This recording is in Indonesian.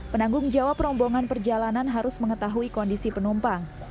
penanggung jawab rombongan perjalanan harus mengetahui kondisi penumpang